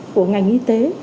của ngành y tế